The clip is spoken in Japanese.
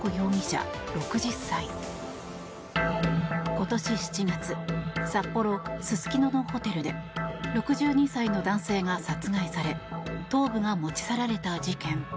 今年７月札幌・すすきののホテルで６２歳の男性が殺害され頭部が持ち去られた事件。